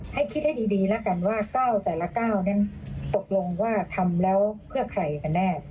ให้คิดให้ดีแล้วกันว่า๙แต่ละ๙นั้นตกลงว่าทำแล้วเพื่อใครกันแน่